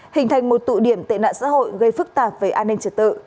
hình thành một tụ điểm tệ nạn xã hội gây phức tạp về an ninh trật tự